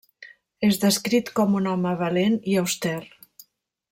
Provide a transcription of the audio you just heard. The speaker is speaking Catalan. És descrit com un home valent i auster.